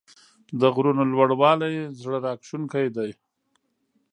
د غرونو لوړوالی زړه راښکونکی دی.